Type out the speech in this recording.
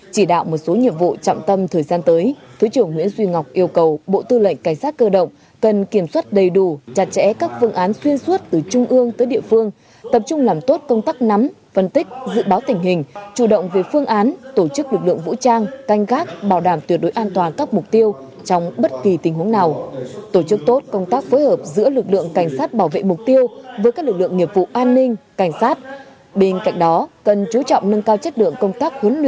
chỉ đạo một số nhiệm vụ trọng tâm thời gian tới thứ trưởng nguyễn duy ngọc yêu cầu bộ tư lệnh cảnh sát cơ động cần kiểm soát đầy đủ chặt chẽ các phương án xuyên suốt từ trung ương tới địa phương tập trung làm tốt công tác nắm phân tích dự báo tình hình chủ động về phương án tổ chức lực lượng vũ trang canh gác bảo đảm tuyệt đối an toàn các mục tiêu trong bất kỳ tình huống nào tổ chức tốt công tác phối hợp giữa lực lượng cảnh sát bảo vệ mục tiêu với các lực lượng nghiệp vụ an ninh cả